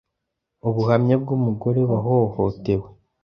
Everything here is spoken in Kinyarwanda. Ubuhamya bw’umugore wahohotewe.